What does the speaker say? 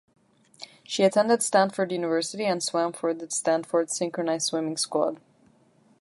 She attended Stanford University and swam for the Stanford Synchronized Swimming Squad.